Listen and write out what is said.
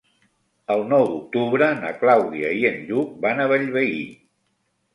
El nou d'octubre na Clàudia i en Lluc van a Bellvei.